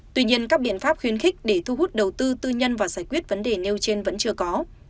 tuy nhiên các biện pháp khuyến khích để thu hút đầu tư tư nhân và giải quyết vấn đề nêu trên vẫn chưa có